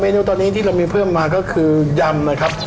เนื้อตอนนี้ที่เรามีเพิ่มมาก็คือยำนะครับ